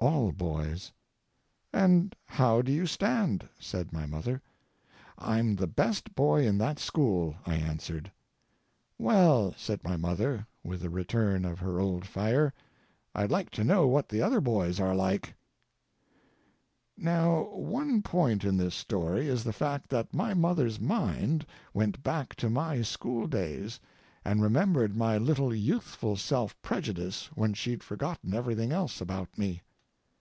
"All boys." "And how do you stand?" said my mother. "I'm the best boy in that school," I answered. "Well," said my mother, with a return of her old fire, "I'd like to know what the other boys are like." Now, one point in this story is the fact that my mother's mind went back to my school days, and remembered my little youthful self prejudice when she'd forgotten everything else about me.